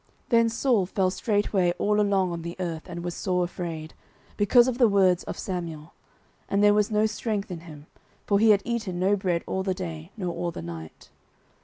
09:028:020 Then Saul fell straightway all along on the earth, and was sore afraid, because of the words of Samuel: and there was no strength in him; for he had eaten no bread all the day, nor all the night.